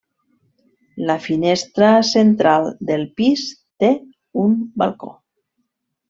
La finestra central del pis té un balcó.